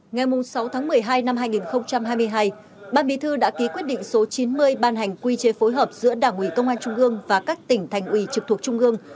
ngày sáu tháng một mươi hai năm hai nghìn hai mươi hai ban bí thư đã ký quyết định số chín mươi ban hành quy chế phối hợp giữa đảng ủy công an trung ương và các tỉnh thành ủy trực thuộc trung ương